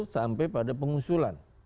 sampai pada pengusulan